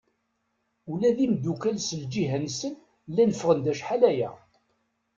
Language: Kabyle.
Ula d imddukal s lǧiha-nsen llan ffɣen-d acḥal-aya.